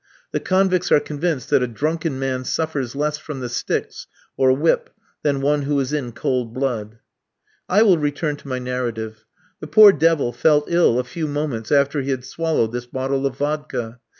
The convicts are convinced that a drunken man suffers less from the sticks or whip than one who is in cold blood. I will return to my narrative. The poor devil felt ill a few moments after he had swallowed his bottle of vodka.